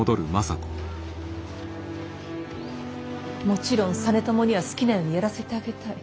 もちろん実朝には好きなようにやらせてあげたい。